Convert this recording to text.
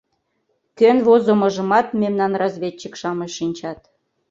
Кӧн возымыжымат мемнан разведчик-шамыч шинчат.